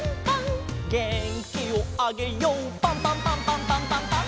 「げんきをあげようパンパンパンパンパンパンパン！！」